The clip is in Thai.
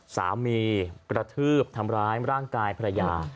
กระทืบทำร้ายร่างกายภรรยา